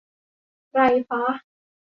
ไรฟะ